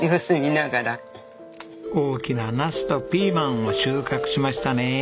大きなナスとピーマンを収穫しましたね。